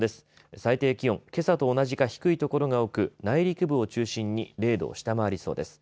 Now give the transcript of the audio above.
最低気温けさと同じか低い所が多く内陸部を中心に０度を下回りそうです。